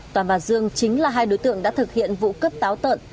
toàn bà dương chính là hai đối tượng đã thực hiện vụ cướp táo tợn